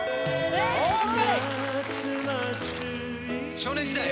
「少年時代」